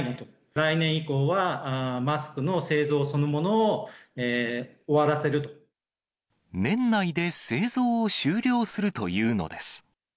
来年以降は、マスクの製造そのものを、年内で製造を終了するというのです。